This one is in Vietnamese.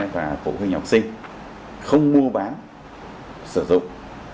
và phụ huynh học sinh không mua bán sử dụng